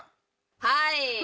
はい。